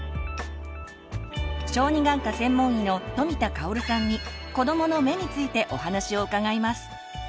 小児眼科専門医の富田香さんに「子どもの目」についてお話を伺います。